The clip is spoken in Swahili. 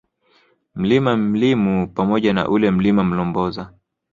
Mlima Mlimu pamoja na ule Mlima Mlomboza